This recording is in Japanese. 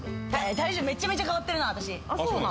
体重めちゃくちゃ変わってるな、私。